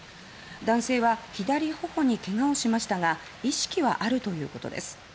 男性は左頬にけがをしましたが意識はあるということです。